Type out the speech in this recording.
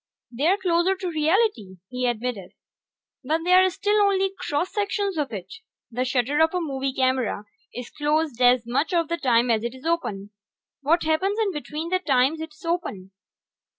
"They're closer to reality," he admitted. "But they are still only cross sections of it. The shutter of a movie camera is closed as much of the time as it is open. What happens in between the times it's open?